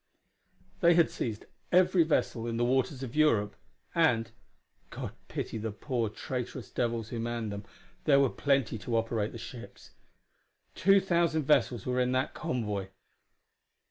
They had seized every vessel in the waters of Europe. And God pity the poor, traitorous devils who manned them there were plenty to operate the ships. Two thousand vessels were in that convoy.